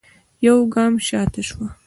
يوګام شاته سوه.